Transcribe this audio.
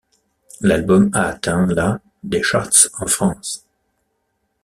L'album a atteint la des charts en France.